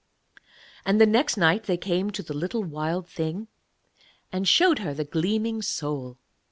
And the next night they came to the little Wild Thing and showed her the gleaming soul.